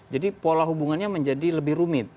jadi pola hubungannya menjadi lebih rumit